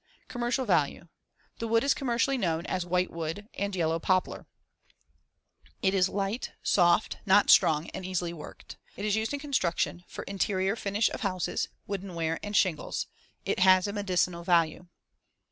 Commercial value: The wood is commercially known as whitewood and yellow poplar. It is light, soft, not strong and easily worked. It is used in construction, for interior finish of houses, woodenware and shingles. It has a medicinal value.